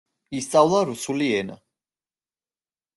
ისწავლა რუსული ენა.